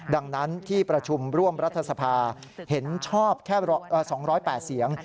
ดังนั้นที่ประชุมร่วมรัฐสภาเห็นชอบแค่๒๐๘เสียง